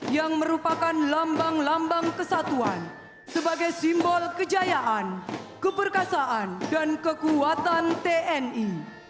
yang merupakan lambang lambang kesatuan sebagai simbol kejayaan keperkasaan dan kekuatan tni